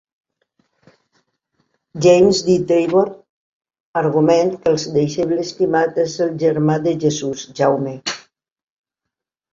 James D. Tabor argument que el deixeble estimat és el germà de Jesús, Jaume.